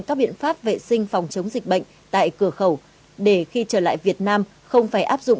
các biện pháp vệ sinh phòng chống dịch bệnh tại cửa khẩu để khi trở lại việt nam không phải áp dụng